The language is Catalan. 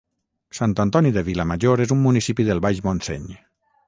Sant Antoni de Vilamajor és un municipi del Baix Montseny